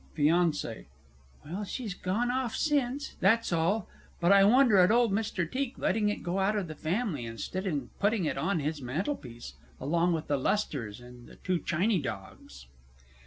FIANCÉE. Well, she's gone off since, that's all; but I wonder at old Mr. Teak letting it go out of the family, instead of putting it on his mantelpiece along with the lustres, and the two chiny dogs.